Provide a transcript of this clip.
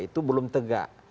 itu belum tegak